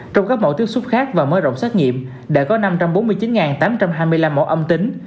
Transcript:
trong các mẫu tiếp xúc khác và mở rộng xét nghiệm đã có năm trăm bốn mươi chín tám trăm hai mươi năm mẫu âm tính